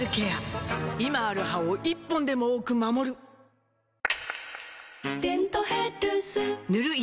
今ある歯を１本でも多く守る「デントヘルス」塗る医薬品も